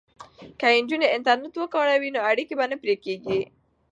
که نجونې انټرنیټ وکاروي نو اړیکې به نه پرې کیږي.